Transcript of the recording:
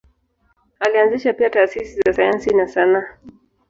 Alianzisha pia taasisi za sayansi na sanaa.